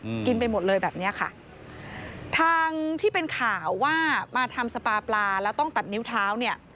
อืมกินไปหมดเลยแบบเนี้ยค่ะทางที่เป็นข่าวว่ามาทำสปาปลาแล้วต้องตัดนิ้วเท้าเนี่ย